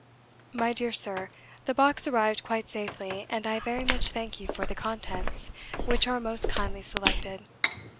"My dear Sir, The box arrived quite safely, and I very much thank you for the contents, which are most kindly selected.